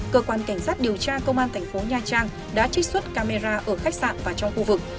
cơ quan cảnh sát điều tra công an thành phố nha trang đã trích xuất camera ở khách sạn và trong khu vực